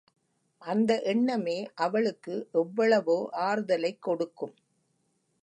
அந்த எண்ணமே அவளுக்கு எவ்வளவோ ஆறுதலைக் கொடுக்கும்.